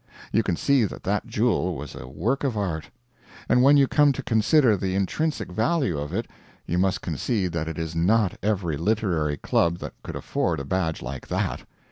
You can see that that jewel was a work of art. And when you come to consider the intrinsic value of it, you must concede that it is not every literary club that could afford a badge like that.